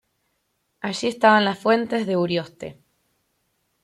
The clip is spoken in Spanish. Allí estaban las fuentes de Urioste.